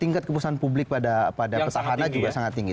tingkat kepuasan publik pada petahana juga sangat tinggi